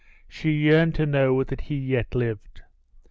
She yearned to know that he yet lived.